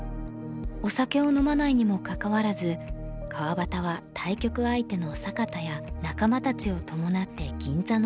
お酒を飲まないにもかかわらず川端は対局相手の坂田や仲間たちを伴って銀座のバーへ。